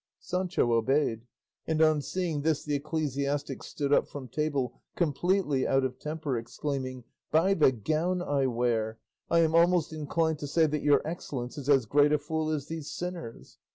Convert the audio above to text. Sancho obeyed, and on seeing this the ecclesiastic stood up from table completely out of temper, exclaiming, "By the gown I wear, I am almost inclined to say that your excellence is as great a fool as these sinners.